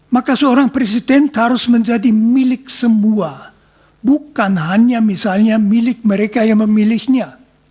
maka seorang presiden harus menjadi milik semua bukan hanya misalnya milik mereka yang memilihnya